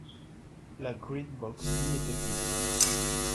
La Green-Box n’y était plus.